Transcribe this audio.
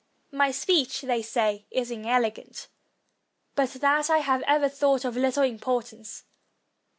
My speech, they say, is inelegant; but that I have ever thought of little importance.